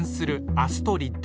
アストリッド！